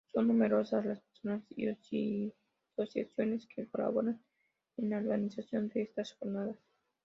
Son numerosas las personas y asociaciones que colaboran en la organización de estas jornadas.